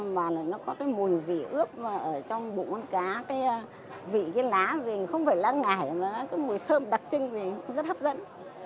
và nó có mùi vị ướp trong bụng cá vị lá không phải lá ngải mùi thơm đặc trưng rất hấp dẫn